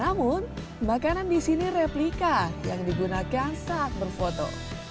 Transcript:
namun makanan di sini replika yang digunakan saat berfoto